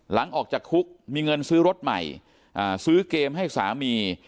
หลังจากออกจากคุกมีเงินซื้อรถใหม่ซื้อเกมให้สามี